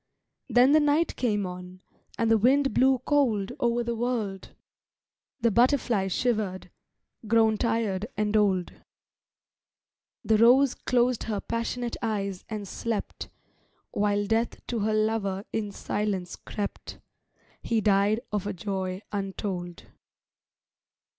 Then the Night came on, and the wind blew cold O'er the wold. The butterfly shivered, grown tired and old; The rose closed her passionate eyes and slept, While death to her lover in silence crept; He died of a joy untold.